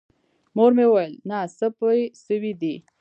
مور مې وويل نه څه پې سوي دي.